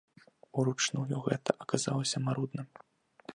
Уручную гэта аказалася марудна.